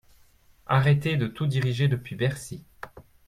Arrêtez de tout diriger depuis Bercy.